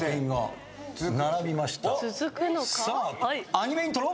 アニメイントロ。